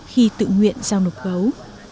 khi tự nguyện giao nộp gấu